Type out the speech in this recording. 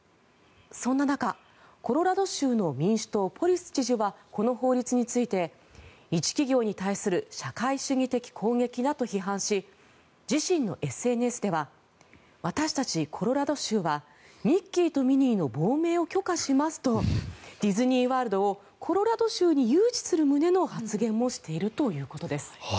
そんな中、コロラド州の民主党、ポリス知事はこの法律について一企業に対する社会主義的攻撃だと批判し自身のＳＮＳでは私たちコロラド州はミッキーとミニーの亡命を許可しますとディズニー・ワールドをコロラド州に誘致する旨の発言もしているということです。